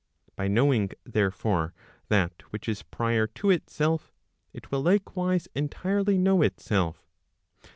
By knowing, therefore, that which is prior to itself, it will likewise entirely know itself.